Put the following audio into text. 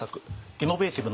イノベーティブ